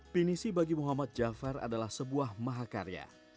pinisi bagi muhammad jafar adalah sebuah mahakarya